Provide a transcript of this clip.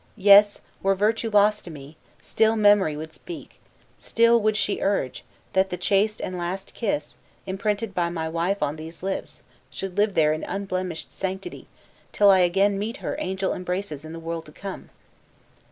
Yes, were virtue lost to me, still memory would speak, still would she urge, that the chaste and last kiss, imprinted by my wife on these lips, should live there in unblemished sanctity, till I again meet her angel embraces in the world to come!"